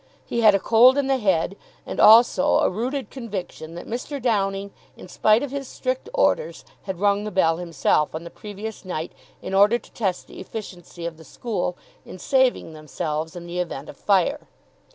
He had a cold in the head, and also a rooted conviction that Mr. Downing, in spite of his strict orders, had rung the bell himself on the previous night in order to test the efficiency of the school in saving themselves in the event of fire.